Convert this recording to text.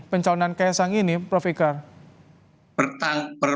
pencaunan ksang ini prof ikrar